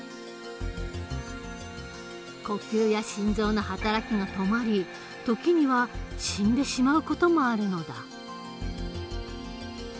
呼吸や心臓の働きが止まり時には死んでしまう事もあるのだ。